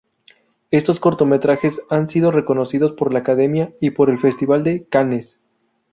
Estos cortometrajes han sido reconocidos por la Academia y por el festival de Cannes.